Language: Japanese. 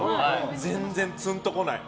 全然つんとこない。